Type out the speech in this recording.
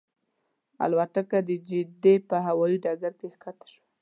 الوتکه د جدې په هوایي ډګر کې ښکته شوه.